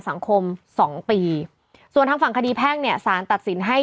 สังคมสองปีส่วนทางฝั่งคดีแพ่งเนี่ยสารตัดสินให้